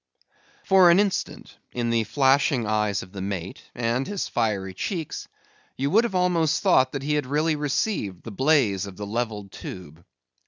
For an instant in the flashing eyes of the mate, and his fiery cheeks, you would have almost thought that he had really received the blaze of the levelled tube.